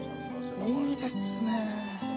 いいですね。